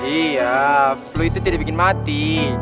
iya flu itu tidak bikin mati